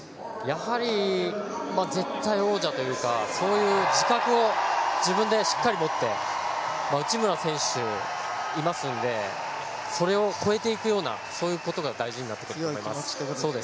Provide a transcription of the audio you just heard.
やはり、絶対王者というかそういう自覚を自分でしっかり持って内村選手がいますのでそれを超えていくようなそういうことが大事になってくると思います。